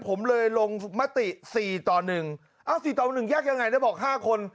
ผมเลยลงมติ๔ต่อ๑เอ้า๔ต่อ๑ยากยังไงนะบอก๕คน